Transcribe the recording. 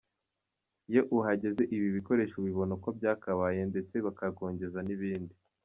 Iyo uhageze ibi bikoresho ubibona uko byakabaye, ndetse bakakongeza n’ikindi.